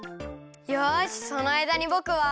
よしそのあいだにぼくは。